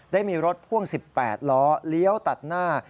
ได้มีรถพ่วง๑๘ล้อเลี้ยวตัดหน้า